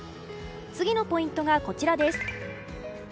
次のポイントがこちらです。